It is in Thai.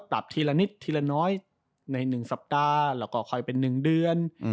ปรับทีละนิดทีละน้อยใน๑สัปดาห์แล้วก็คอยเป็น๑เดือน